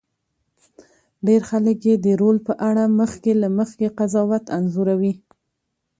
ډېر خلک یې د رول په اړه مخکې له مخکې قضاوت انځوروي.